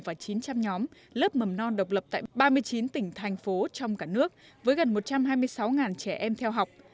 và chín trăm linh nhóm lớp mầm non độc lập tại ba mươi chín tỉnh thành phố trong cả nước với gần một trăm hai mươi sáu trẻ em theo học